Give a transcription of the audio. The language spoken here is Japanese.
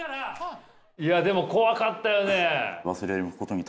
いやでも怖かったよね。